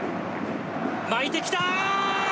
巻いてきた！